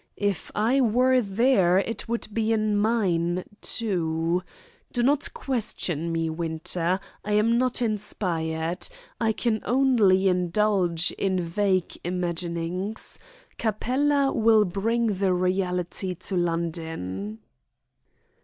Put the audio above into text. If I were there it would be in mine, too. Do not question me, Winter. I am not inspired. I can only indulge in vague imaginings. Capella will bring the reality to London."